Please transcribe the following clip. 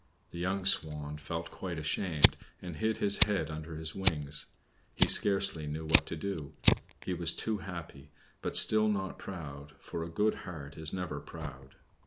The young Swan felt quite ashamed, and hid his head under his wings. He scarcely knew what to do. He was too happy, but still not proud, for a good heart is never proud.